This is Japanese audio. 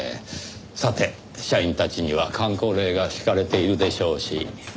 さて社員たちには箝口令が敷かれているでしょうし。